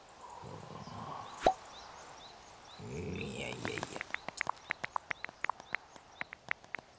いやいやいや。